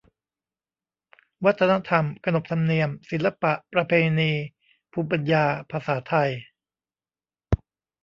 วัฒนธรรม ขนบธรรมเนียม ศิลปะ ประเพณี ภูมิปัญญา ภาษาไทย